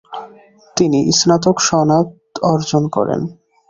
তিনি স্নাতক সনদ অর্জন করেন।